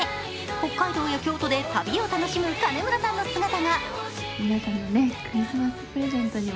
北海道や京都で旅を楽しむ金村さんの姿が。